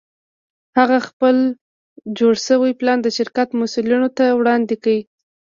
هغه خپل جوړ شوی پلان د شرکت مسوولینو ته وړاندې کړ